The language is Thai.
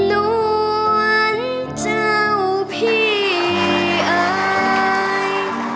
น้วนเจ้าพี่อาย